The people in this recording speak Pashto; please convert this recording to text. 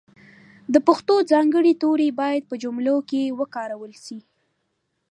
د پښتو ځانګړي توري باید په جملو کښې وکارول سي.